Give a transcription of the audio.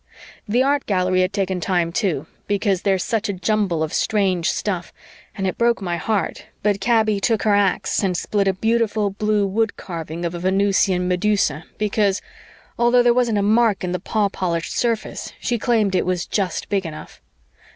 The Art Gallery had taken time too, because there's such a jumble of strange stuff, and it broke my heart but Kaby took her ax and split a beautiful blue woodcarving of a Venusian medusa because, although there wasn't a mark in the paw polished surface, she claimed it was just big enough.